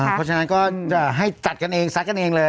เพราะฉะนั้นก็จะให้จัดกันเองซักกันเองเลย